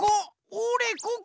おれここ！